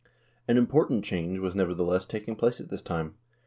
2 An important change was, nevertheless, taking place at this time.